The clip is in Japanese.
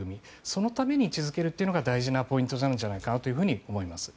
そのために位置付けるということが大事なポイントなんじゃないかと思います。